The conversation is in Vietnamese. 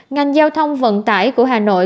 ngành giao thông vận tải của hà nội